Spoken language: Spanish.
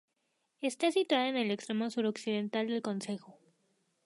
Está situada en el extremo suroccidental del concejo.